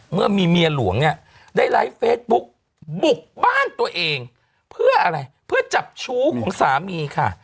เมื่อมีเมียหลวงเนี่ยได้ไลฟ์เฟซบุ๊กบุกบ้านตัวเองเพื่ออะไรเพื่อจับชู้ของสามีค่ะ